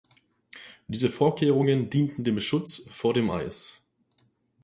Diese Vorkehrungen dienten dem Schutz vor dem Eis.